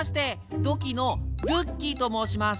土器のドゥッキーと申します。